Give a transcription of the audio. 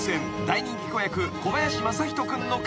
大人気子役］